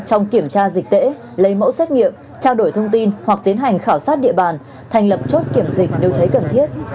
trong kiểm tra dịch tễ lấy mẫu xét nghiệm trao đổi thông tin hoặc tiến hành khảo sát địa bàn thành lập chốt kiểm dịch nếu thấy cần thiết